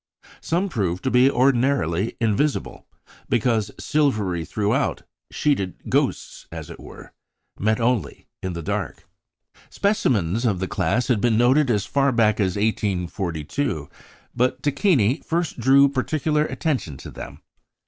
Some prove to be ordinarily invisible, because silvery throughout "sheeted ghosts," as it were, met only in the dark. Specimens of the class had been noted as far back as 1842, but Tacchini first drew particular attention to them.